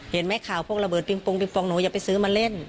เห็นไหมข่าวพวกระเบิดปิงปงปิงปองหนูอย่าไปซื้อมาเล่น